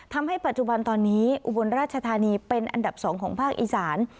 ทำให้ปัจจุบันตอนนี้อุบลราชธานีเป็นอันดับ๒ของภาคอีสาน